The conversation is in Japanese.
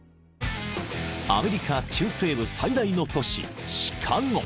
［アメリカ中西部最大の都市シカゴ］